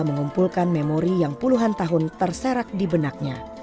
mengumpulkan memori yang puluhan tahun terserak di benaknya